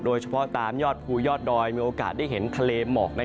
โดยเฉพาะตามยอดภูยอดดอยมีโอกาสได้เห็นทะเลหมอก